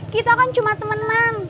kita kan cuma temenman